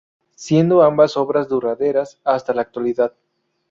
Siendo ambas obras duraderas hasta la actualidad.